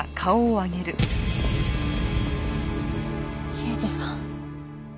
刑事さん。